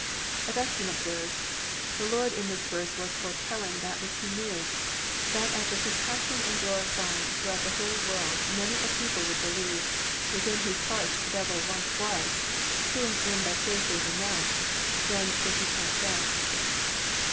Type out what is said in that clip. Augustine observes: "The Lord in this verse was foretelling that which He kuew, — that after His passion and glorii>ing, throughout the whole world many a people would believe, within whose hearts the devil once was, whom when by fiaith they renounce, then is he cast out."